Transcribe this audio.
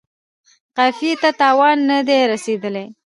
قافیې ته تاوان نه دی رسیدلی.